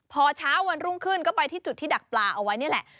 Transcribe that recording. พอเช้าวันรุ่งขึ้นก็ไปที่จุดที่ดักปลาเอาไว้นี่แหละ